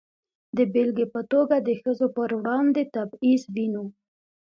د بېلګې په توګه د ښځو پر وړاندې تبعیض وینو.